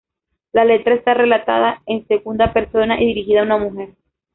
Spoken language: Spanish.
La letra está relatada en segunda persona y dirigida a una mujer.